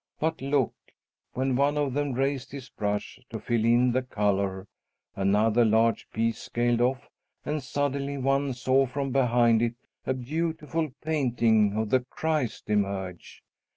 But, look! when one of them raised his brush to fill in the color, another large piece scaled off, and suddenly one saw from behind it a beautiful painting of the Christ emerge.